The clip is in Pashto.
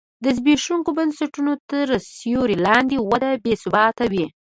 د زبېښونکو بنسټونو تر سیوري لاندې وده بې ثباته وي.